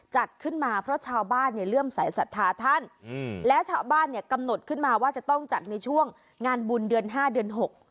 จัดขึ้นมาเพราะชาวบ้านเนี่ยเริ่มสายศรัทธาท่านและชาวบ้านเนี่ยกำหนดขึ้นมาว่าจะต้องจัดในช่วงงานบุญเดือน๕เดือน๖